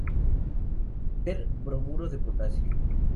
Ver bromuro de potasio.